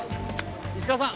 石川さん